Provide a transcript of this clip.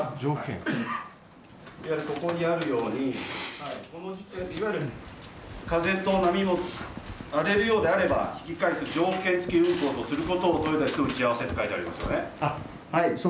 そこにあるように風と波も荒れるようであれば引き返す条件付き運航とすることを豊田船長に打ち合わせと書いてありますよね。